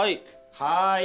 はい。